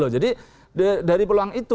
jadi dari peluang itu